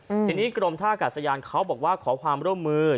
อืมทีนี้กรมท่ากาศยานเขาบอกว่าขอความร่วมมือ